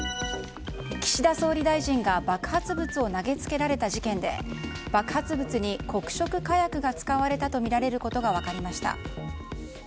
岸田総理大臣が爆発物を投げつけられた事件で爆発物に黒色火薬が使われたとみられることが分かりました。